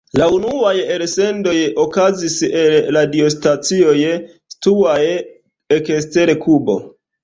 La unuaj elsendoj okazis el radiostacioj situaj ekster Kubo.